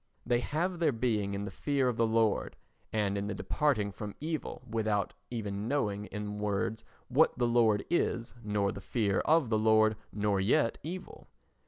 They have their being in the fear of the Lord and in the departing from evil without even knowing in words what the Lord is, nor the fear of the Lord, nor yet evil.